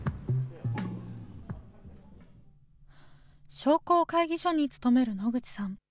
商工会議所に勤める野口さん。